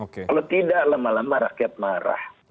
kalau tidak lama lama rakyat marah